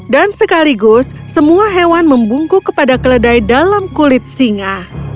dan sekaligus semua hewan membungku kepada keledai dalam kulit singa